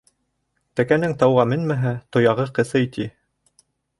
Тәкәнең тауға менмәһә, тояғы ҡысый, ти.